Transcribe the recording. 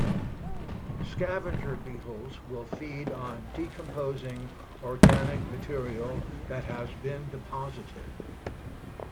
Scavenger beetles will feed on decomposing organic material that has been deposited.